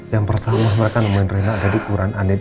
yang pertama mereka nemuin rena ada di uran anden